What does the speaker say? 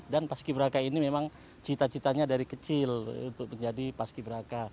dan paski beraka ini memang cita citanya dari kecil untuk menjadi paski beraka